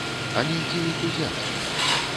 Але дзе іх узяць?